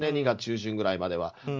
２月中旬ぐらいまでは。